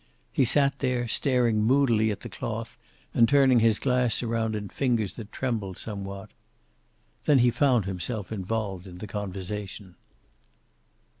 He sat there, staring moodily at the cloth and turning his glass around in fingers that trembled somewhat. Then he found himself involved in the conversation.